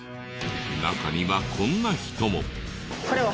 中にはこんな人も。